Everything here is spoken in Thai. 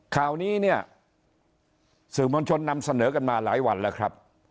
ข่าวนี้เนี่ยสื่อมวลชนนำเสนอกันมาหลายวันแล้วครับ